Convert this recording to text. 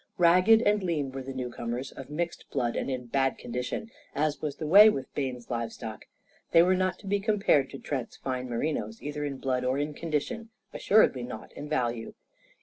Ragged and lean were the newcomers, of mixed blood and in bad condition; as was the way with Bayne's livestock. They were not to be compared to Trent's fine merinos, either in blood or in condition assuredly not in value.